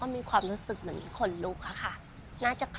ก็ชอบดูอะไรอย่างงี้ค่ะต้องรู้ว่าในวัดนี้หรอคะ